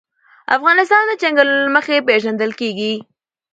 افغانستان د چنګلونه له مخې پېژندل کېږي.